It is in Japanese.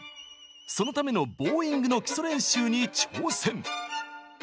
そのためのボウイングの基礎練習に挑戦！